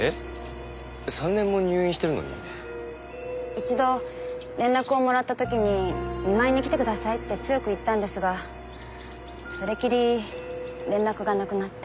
一度連絡をもらった時に見舞いに来てくださいって強く言ったんですがそれきり連絡がなくなって。